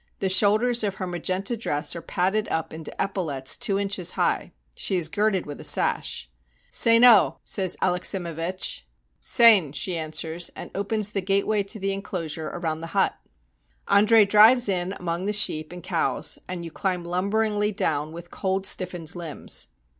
The shoulders of her magenta dress are padded up into epaulets two inches high. She is girded with a sash. ^^ Sein oh!" says Alexsimevich. ^'Seijt!" she answers, and opens the gateway to the inclosure around the hut. Andre drives in among the sheep and cows, and you climb lumberingly down with cold stiffened limbs.